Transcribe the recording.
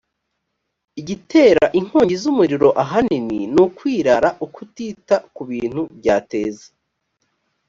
igitera inkongi z umuriro ahanini ni ukwirara ukutita ku bintu byateza